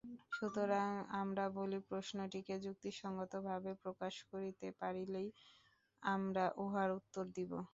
সুতরাং আমরা বলি, প্রশ্নটিকে যুক্তিসঙ্গতভাবে প্রকাশ করিতে পারিলেই আমরা উহার উত্তর দিব।